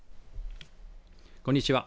こんにちは。